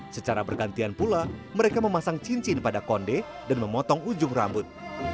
secara bergantian pula mereka memasang cincin pada konde dan memotong ujung rambut